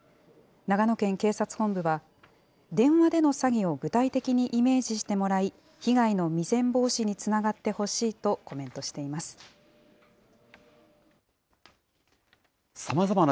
長野県警察本部は、電話での詐欺を具体的にイメージしてもらい、被害の未然防止につながってほしいとコメントしています。